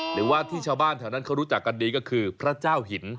หรือว่าที่ชาวบ้านแถวนั้นเขารู้จักกันดีก็คือพระเจ้าหิน